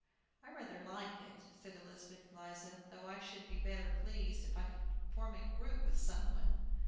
"I rather like it," said Elizabeth Eliza, "though I should be better pleased if I could form a group with some one."